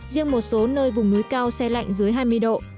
riêng một số nơi vùng núi cao xe lạnh dưới hai mươi độ